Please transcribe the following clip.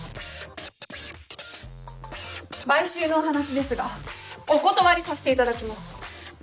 買収のお話ですがお断りさせていただきます。